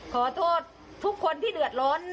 ขอโทษทุกคนที่เดือดร้อน